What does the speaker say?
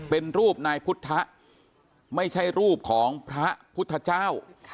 เป็นรูปนายพุทธไม่ใช่รูปของพระพุทธเจ้า